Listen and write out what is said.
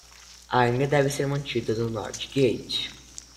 Ainda deve ser mantido no North Gate